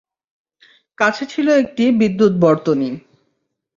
কাছে ছিল একটি বিদ্যুৎ বর্তনী।